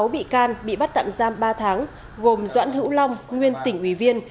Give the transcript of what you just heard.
sáu bị can bị bắt tạm giam ba tháng gồm doãn hữu long nguyên tỉnh ủy viên